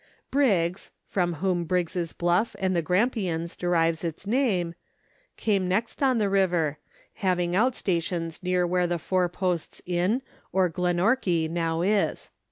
Briggs (from whom Briggs' Bluff at the Grampians derives its name) came next on the river, having out stations near where the Four Posts Inn or Glenorchy now is.